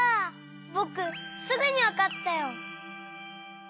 ぼくすぐにわかったよ！